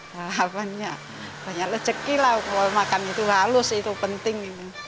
harapannya banyak leceki lah kalau makan itu halus itu penting